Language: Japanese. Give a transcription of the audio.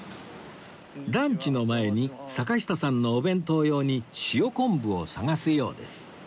ランチの前に坂下さんのお弁当用に塩昆布を探すようです